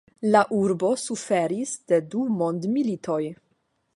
La urbo suferis de du mondmilitoj.